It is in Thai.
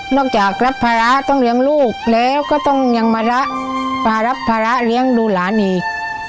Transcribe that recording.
จากรับภาระต้องเลี้ยงลูกแล้วก็ต้องยังมาระมารับภาระเลี้ยงดูหลานอีก